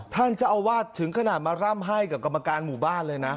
ท่านเจ้าอาวาสถึงขนาดมาร่ำให้กับกรรมการหมู่บ้านเลยนะ